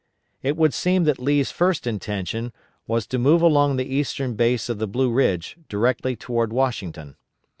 It would seem that Lee's first intention was to move along the eastern base of the Blue Ridge directly toward Washington.